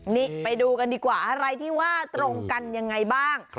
นี่ไปดูกันดีกว่าอะไรที่ว่าตรงกันยังไงบ้าง